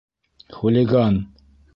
Хулиган!